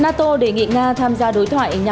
nato đề nghị